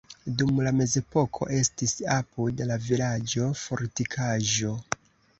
Dum la mezepoko estis apud la vilaĝo fortikaĵo.